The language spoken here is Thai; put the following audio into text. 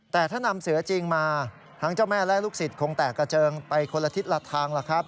แต่ถ้านำเสือจริงมาทั้งเจ้าแม่และลูกศิษย์คงแตกกระเจิงไปคนละทิศละทางล่ะครับ